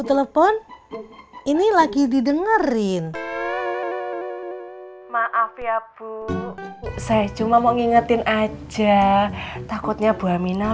telepon ini lagi didengerin maaf ya bu saya cuma mau ngingetin aja takutnya bu aminah